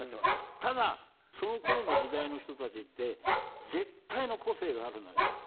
ただ、そのころの時代の人たちって絶対の個性があるのよ。